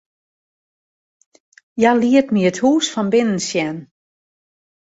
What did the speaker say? Hja liet my it hûs fan binnen sjen.